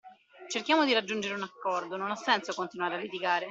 Cerchiamo di raggiungere un accordo, non ha senso continuare a litigare.